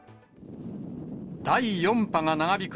第４波が長引く